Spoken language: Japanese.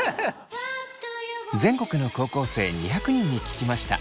全国の高校生２００人に聞きました。